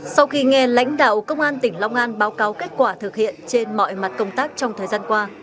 sau khi nghe lãnh đạo công an tỉnh long an báo cáo kết quả thực hiện trên mọi mặt công tác trong thời gian qua